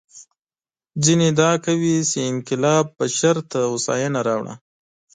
ځینې ادعا کوي چې انقلاب بشر ته هوساینه راوړه.